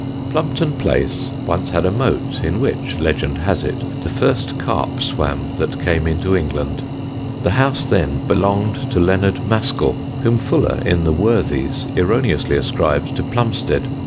[Sidenote: FANTASTIC FRUITS] Plumpton Place once had a moat, in which, legend has it, the first carp swam that came into England. The house then belonged to Leonard Mascall, whom Fuller in the Worthies erroneously ascribes to Plumsted.